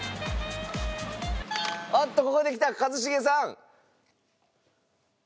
あっとここできた一茂さん。